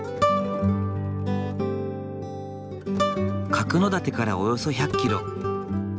角館からおよそ１００ｋｍ。